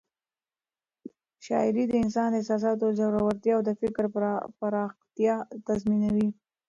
شاعري د انسان د احساساتو ژورتیا او د فکر پراختیا تضمینوي.